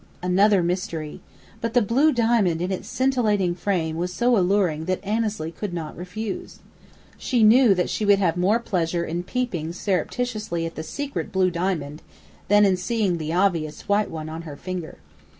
Another mystery! But the blue diamond in its scintillating frame was so alluring that Annesley could not refuse. She knew that she would have more pleasure in peeping surreptitiously at the secret blue diamond than in seeing the "obvious" white one on her finger.